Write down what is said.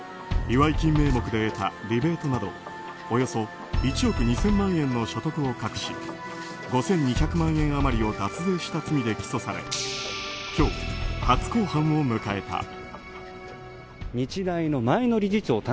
祝い金名目で得たリベートなどおよそ１億２０００万円の所得を隠し５２００万円余りを脱税した罪で起訴され今日、初公判を迎えた。